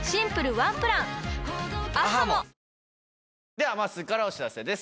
ではまっすーからお知らせです。